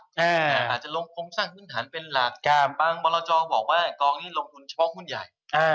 บางมณะราวจอดอกว่ากองนี้ลงทุนเฉพาะหุ้นใหญ่